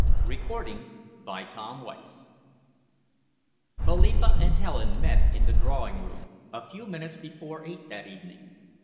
CHAPTER XXIII Philippa and Helen met in the drawing room, a few minutes before eight that evening.